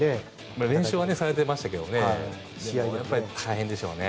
練習はされてましたけど大変でしょうね。